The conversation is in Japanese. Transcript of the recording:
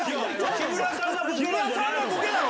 木村さんがボケだろ。